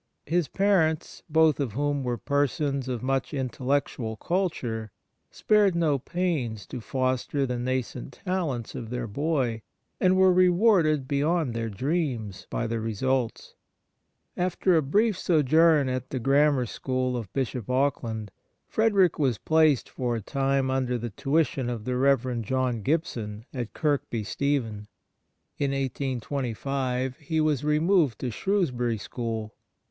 His parents, both of whom were persons of much intellectual culture, spared no pains to foster the nascent talents of their boy, and were rewarded beyond their dreams by the results. After a brief sojourn at the Grammar School of Bishop Auckland, Frederick was I 2 Memoir of Father Faber placed for a time under the tuition of the Rev. John Gibson, at Kirkby Stephen. In 1825 he was removed to Shrewsbury School.